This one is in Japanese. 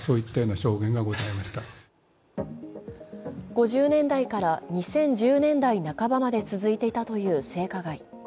５０年代から２０１０年代半ばまで続いていたという性加害。